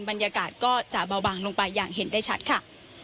บรรยากาศก็จะเบาบางลงไปอย่างเห็นได้ชัดค่ะ